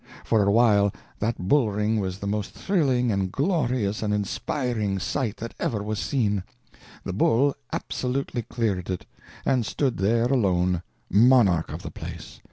For a while, that bull ring was the most thrilling and glorious and inspiring sight that ever was seen. The bull absolutely cleared it, and stood there alone! monarch of the place.